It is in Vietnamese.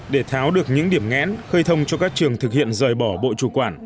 để tháo được những điểm ngẽn khơi thông cho các trường thực hiện rời bỏ bộ chủ quản